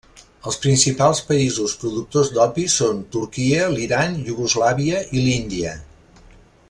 Els principals països productors d'opi són Turquia, l'Iran, Iugoslàvia i l'Índia.